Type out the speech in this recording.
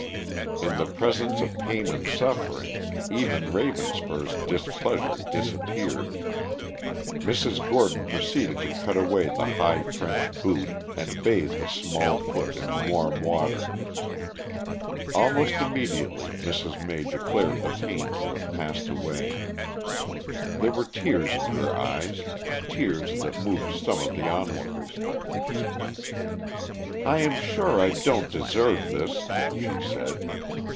In the presence of pain and suffering even Ravenspur's displeasure disappeared. Mrs. Gordon proceeded to cut away the high French boot and bathe the small foot in warm water. Almost immediately Mrs. May declared the pain to have passed away. There were tears in her eyes tears that moved some of the onlookers. "I am sure I don't deserve this," she said.